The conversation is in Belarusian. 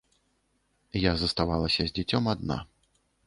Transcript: Я заставалася з дзіцём адна.